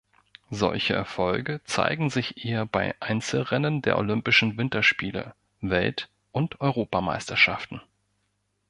Solche Erfolge zeigen sich eher bei Einzelrennen der Olympischen Winterspiele, Welt- und Europameisterschaften.